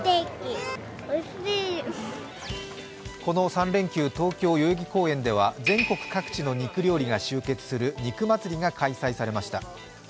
この３連休、東京・代々木公園では全国各地の肉料理が集結する肉祭が開催されました。